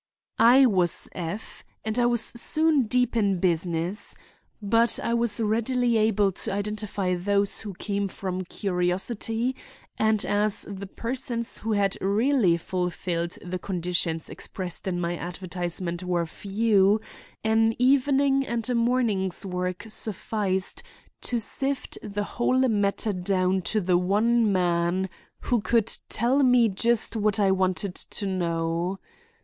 I was "F.," and I was soon deep in business. But I was readily able to identify those who came from curiosity, and as the persons who had really fulfilled the conditions expressed in my advertisement were few, an evening and morning's work sufficed to sift the whole matter down to the one man who could tell me just what I wanted to know.